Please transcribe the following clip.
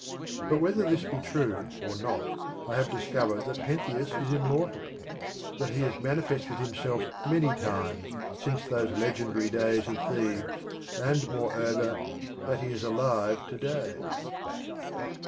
But whether this be true or not, I have discovered that Pentheus is immortal, that he has manifested himself many times since those legendary days of Thebes, and moreover, that he is alive to day.